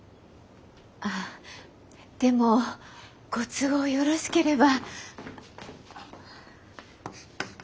あでもご都合よろしければ。